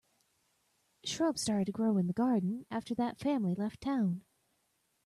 Shrubs started to grow in the garden after that family left town.